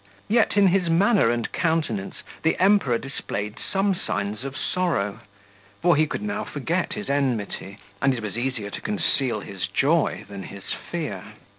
Yet in his manner and countenance the Emperor displayed some signs of sorrow, for he could now forget his enmity, and it was easier to conceal his joy than his fear.